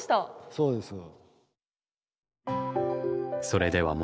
そうですね。